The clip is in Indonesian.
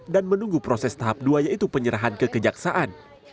dan menunggu proses tahap dua yaitu penyerahan kekejaksaan